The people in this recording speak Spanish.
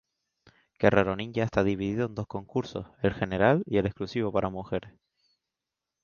Guerrero Ninja está dividido en dos concursos, el general y el exclusivo para mujeres.